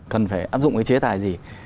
cần phải áp dụng cái chế tài gì